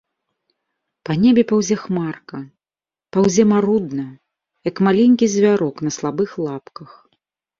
Па небе паўзе хмарка, паўзе марудна, як маленькі звярок на слабых лапках.